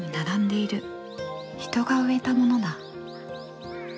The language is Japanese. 人が植えたものだ。